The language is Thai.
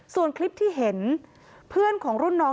ส่วนคลิปที่เห็นเพื่อนของรุ่นน้อง